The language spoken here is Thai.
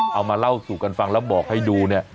เอามาเล่าสู่กันฟังแล้วบอกให้ดูเนี่ย